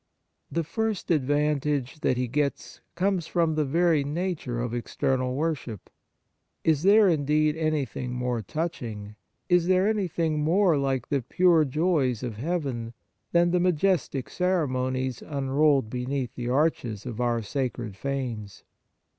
The first advantage that he gets comes from the very nature of external worship. Is there, indeed, anything more touching, is there anything more like the pure joys of heaven, than the majestic ceremonies unrolled beneath the arches of our sacred fanes